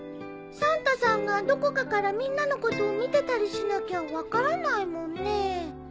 サンタさんがどこかからみんなのことを見てたりしなきゃ分からないもんね。